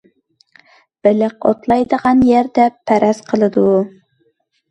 بېلىق ئوتلايدىغان يەر دەپ پەرەز قىلىدۇ.